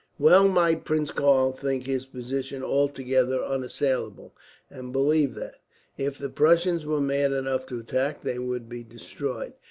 Well might Prince Karl think his position altogether unassailable, and believe that, if the Prussians were mad enough to attack, they would be destroyed.